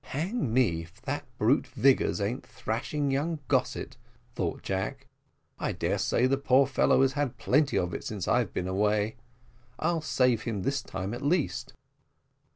"Hang me, if that brute Vigors an't thrashing young Gossett," thought Jack. "I dare say the poor fellow had had plenty of it since I have been away; I'll save him this time at least."